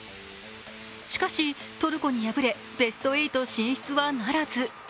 しかしトルコに敗れベスト８進出はならず。